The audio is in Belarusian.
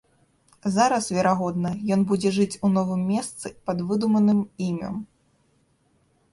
Зараз, верагодна, ён будзе жыць у новым месцы пад выдуманым імем.